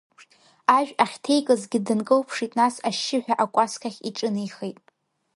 Ажә ахьҭеикызгьы дынкылԥшит, нас ашьшьыҳәа акәасқьахь иҿынеихеит.